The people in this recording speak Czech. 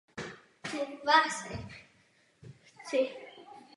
Na území farnosti se každoročně koná tříkrálová sbírka.